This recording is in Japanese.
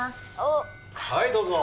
はいどうぞ。